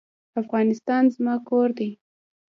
افغانستان زما کور دی